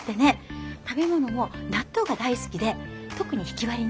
食べ物も納豆が大好きで特にひきわりね。